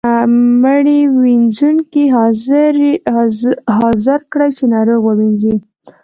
مړي وينځونکی حاضر کړئ چې ناروغ ووینځي.